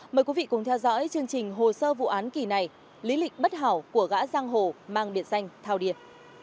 mời quý vị cùng theo dõi chương trình hồ sơ vụ án kỳ này lý lịch bất hảo của gã giang hồ mang biệt danh thao điên